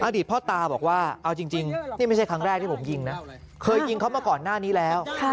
อดีตพ่อตาบอกว่าครั้งแรกผมยิงเคยยิงเขามาก่อนหน้านี้แล้ว